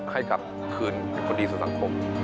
ให้กลับคืนเป็นคนดีสู่สังคม